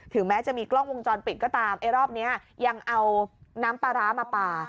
แม้จะมีกล้องวงจรปิดก็ตามไอ้รอบนี้ยังเอาน้ำปลาร้ามาปลา